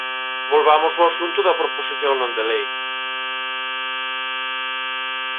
Volvamos ao asunto da proposición non de lei.